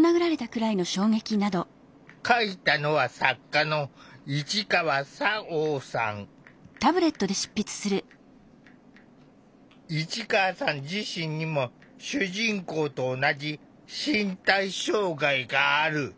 書いたのは市川さん自身にも主人公と同じ身体障害がある。